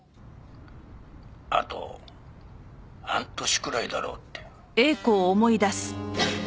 「あと半年くらいだろうって」